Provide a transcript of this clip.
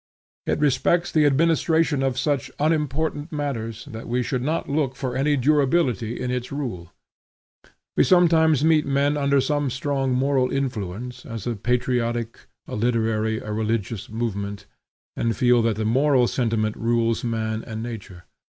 It respects the administration of such unimportant matters, that we should not look for any durability in its rule. We sometimes meet men under some strong moral influence, as a patriotic, a literary, a religious movement, and feel that the moral sentiment rules man and nature.